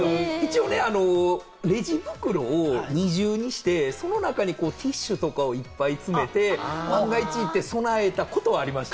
一応、レジ袋を二重にして、その中にティッシュとかをいっぱい詰めて万が一に備えたことはありました。